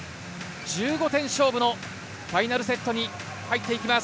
１５点勝負のファイナルセットに入っていきます。